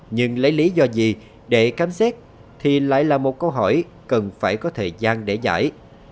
nhưng lấy lý do gì để khám xét thì lại là một câu hỏi cần phải có thời gian để giải